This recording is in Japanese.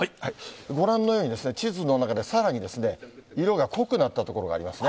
ご覧のように、地図の中でさらに色が濃くなった所がありますね。